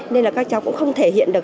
nên là các cháu cũng không thể hiện được